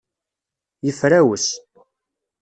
Yefrawes.